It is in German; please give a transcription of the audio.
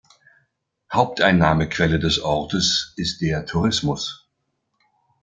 Haupteinnahmequelle des Ortes ist der Tourismus.